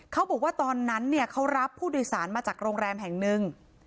เขาบอกว่าตอนนั้นเนี่ยเขารับผู้โดยสารมาจากโรงแรมแห่งหนึ่ง